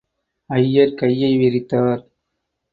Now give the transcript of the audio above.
ஐயர் கையை விரித்தார்.